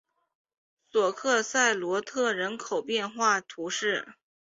索克塞罗特人口变化图示